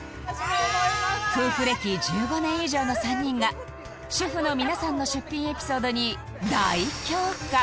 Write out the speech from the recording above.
夫婦歴１５年以上の３人が主婦の皆さんの出品エピソードに大共感！